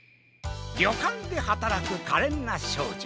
りょかんではたらくかれんなしょうじょ